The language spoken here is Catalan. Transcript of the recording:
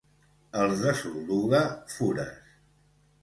Els de Solduga, fures.